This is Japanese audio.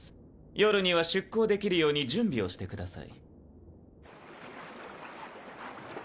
夜には出港できるように準備をしてください。